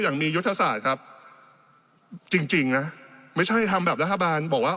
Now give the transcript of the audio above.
อย่างมียุทธศาสตร์ครับจริงจริงนะไม่ใช่ทำแบบรัฐบาลบอกว่า